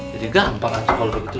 jadi gampang aja kalau begitu